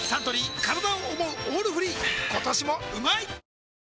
今年もうまい！